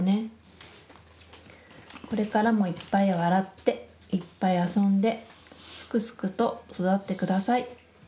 これからもいっぱい笑っていっぱい遊んですくすくと育ってください。